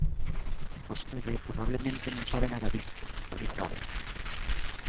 Vostede probablemente non sabe nada disto, ¡dálle igual!